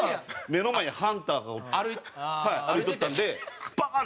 目の前にハンターが歩いとったんでバーン！